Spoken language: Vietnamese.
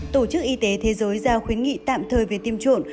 tổ chức y tế thế giới giao khuyến nghị tạm thời về tiêm chủng